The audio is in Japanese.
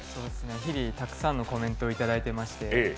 日々、たくさんのコメントをいただいてまして。